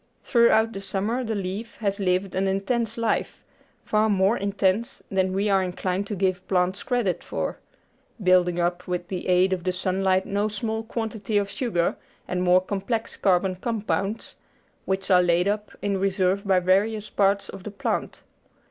Throughout the summer the leaf has lived an intense life, far more intense than we are inclined to give plants credit for, building up with the aid of the sunlight no small quantity of sugar and more complex carbon compounds, which are laid up in reserve in various parts of the plant.